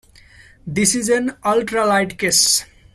This is an ultralight case.